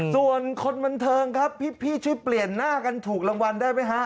ส่วนคนบันเทิงครับพี่ช่วยเปลี่ยนหน้ากันถูกรางวัลได้ไหมฮะ